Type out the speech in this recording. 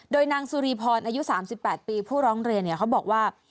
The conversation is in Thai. โดยนางสุรีพรอายุ๓๘ปีผู้ร้องเรียนเขาบอกว่า